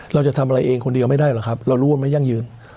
เราจะทำอะไรเองคนเดียวไม่ได้หรอกครับเรารู้ว่าไม่ยั่งยืน